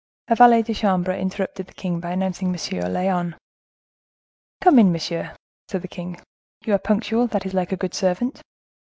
A valet de chambre interrupted the king by announcing M. Lyonne. "Come in, monsieur," said the king; "you are punctual; that is like a good servant.